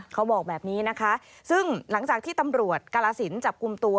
เขาบอกแบบนี้นะคะซึ่งหลังจากที่ตำรวจกาลสินจับกลุ่มตัว